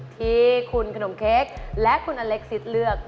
ที่คุณขนมเค้กและคุณอเล็กซิตเลือก